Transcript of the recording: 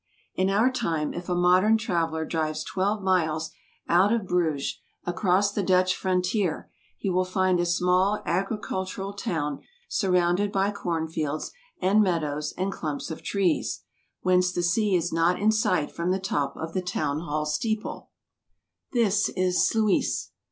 In our time, if a modern traveller drives twelve miles out of Bruges, across the Dutch frontier, he will find a small agricultural town, surrounded by corn fields and meadows and clumps of trees, whence the sea is not in sight from the top of the town hall steeple. This is Sluys.